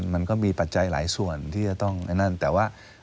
มันก็มีปัจจัยหลายส่วนที่จะต้องไอ้นั่นแต่ว่า